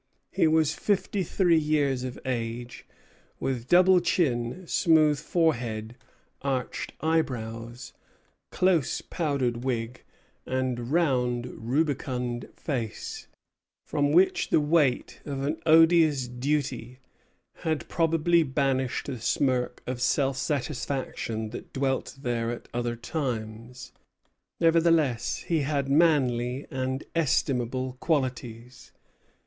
He was fifty three years of age, with double chin, smooth forehead, arched eyebrows, close powdered wig, and round, rubicund face, from which the weight of an odious duty had probably banished the smirk of self satisfaction that dwelt there at other times. Nevertheless, he had manly and estimable qualities.